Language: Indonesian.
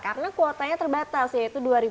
karena kuotanya terbatas yaitu